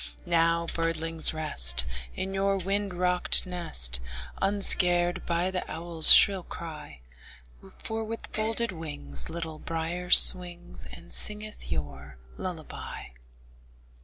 Now, birdlings, rest, In your wind rocked nest, Unscared by the owl's shrill cry; For with folded wings Little Brier swings, And singeth your lullaby.